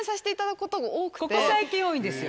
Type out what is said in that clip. ここ最近多いんですよ。